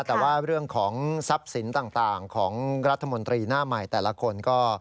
แต่ว่าเรื่องของทรัพย์สินต่างของรัฐมนตรีหน้าใหม่แต่ละคนก็